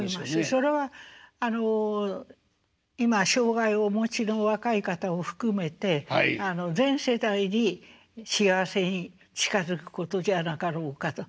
それはあの今障害をお持ちの若い方を含めて全世代に幸せに近づくことじゃなかろうかと。